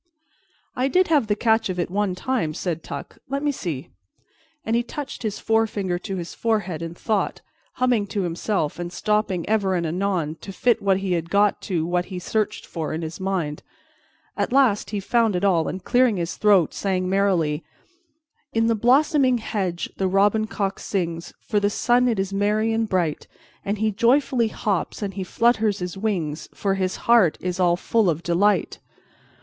"I did have the catch of it one time," said Tuck. "Let me see," and he touched his forefinger to his forehead in thought, humming to himself, and stopping ever and anon to fit what he had got to what he searched for in his mind. At last he found it all and clearing his throat, sang merrily: "_In the blossoming hedge the robin cock sings, For the sun it is merry and bright, And he joyfully hops and he flutters his wings, For his heart is all full of delight.